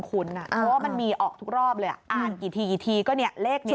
เพราะว่ามันมีออกทุกรอบเลยอ่านกี่ทีก็เลขนี้